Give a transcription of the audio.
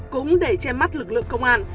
cũng để che mắt lực lượng công an